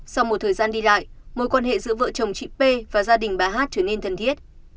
sau một thời gian đi lại mối quan hệ giữa vợ chồng chị p và gia đình bà hát trở nên thân thiết